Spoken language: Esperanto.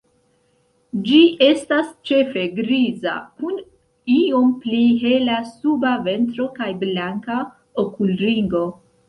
Ĝi estas ĉefe griza, kun iom pli hela suba ventro kaj blanka okulringo.